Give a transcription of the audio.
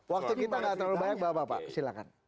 waktu kita gak terlalu banyak bapak bapak silahkan